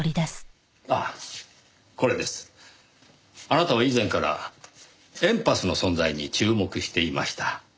あなたは以前からエンパスの存在に注目していました。